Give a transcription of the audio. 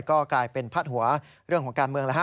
ก็กลายเป็นพาดหัวเรื่องของการเมืองแล้วฮ